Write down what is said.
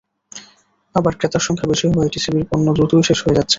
আবার ক্রেতার সংখ্যা বেশি হওয়ায় টিসিবির পণ্য দ্রুতই শেষ হয়ে যাচ্ছে।